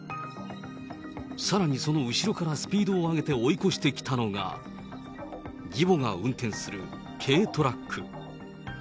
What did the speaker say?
さらにその後ろからスピードを上げて追い越してきたのが、義母が運転する軽トラック。